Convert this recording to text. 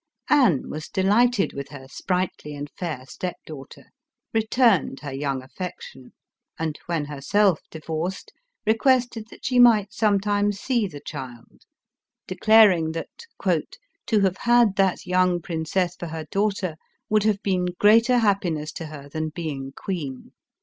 Anne was delighted with her sprightly and fair step daughter, returned her young affection, and, when her self divorced, requested that she might sometimes see the child, declaring that " to have had that young prin cess for her daughter would have been greater happi ness to her than being queen."